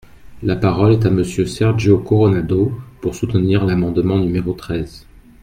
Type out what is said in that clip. La parole est à Monsieur Sergio Coronado, pour soutenir l’amendement numéro treize.